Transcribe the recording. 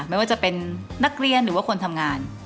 ไม่ว่าจะเป็นนักเรียนหรือว่าคนทำงาน